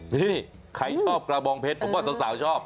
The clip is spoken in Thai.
นี่ใครชอบกระบองเพชรผมว่าสาวชอบ